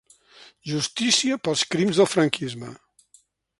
Justícia pels crims del franquisme